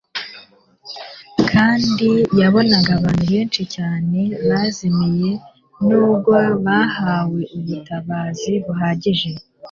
kandi yabonaga abantu benshi cyane bazimiye nubwo bahawe ubutabazi buhagije.